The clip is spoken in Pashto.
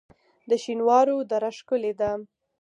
د شینوارو دره ښکلې ده